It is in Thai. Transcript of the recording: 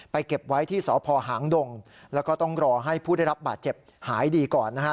เก็บไว้ที่สพหางดงแล้วก็ต้องรอให้ผู้ได้รับบาดเจ็บหายดีก่อนนะฮะ